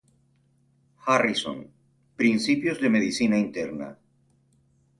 Harrison: Principios de Medicina Interna.